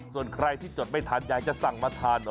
ส่วนใครที่จดไม่ทันอยากจะสั่งมาทาน